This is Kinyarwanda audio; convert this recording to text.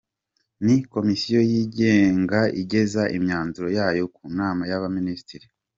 Ni komisiyo yigenga igeza imyanzuro yayo ku nama y’abaminisitiri.